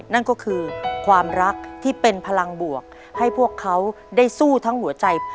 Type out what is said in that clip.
นั่นก็คือความรักที่เป็นพลังบวกให้พวกเขาได้สู้ทั้งหัวใจ